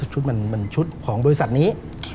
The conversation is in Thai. ชุดมันชุดของบริษัทนี้